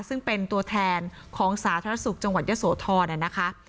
ซึ่งเป็นตัวแทนของสาธารณสุขจังหวัดยะโสธรนะคะ